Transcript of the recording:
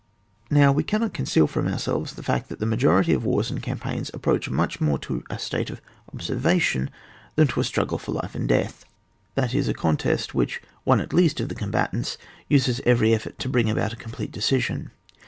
Now we cannot conceal from ourselves the fact that the majority of wars and campaigns approach much more to a state of observation than to a struggle for life or death, that is, a contest iii 182 ON WAR. [book ti. whicli one at least of the combatants uses every effort to bring about a com plete decision.